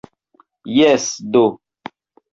Jes do!